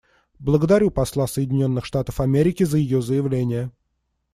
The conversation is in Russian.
Благодарю посла Соединенных Штатов Америки за ее заявление.